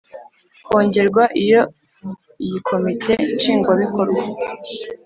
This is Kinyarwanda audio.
kongerwa Iyo iyi Komite Nshingwabikorwa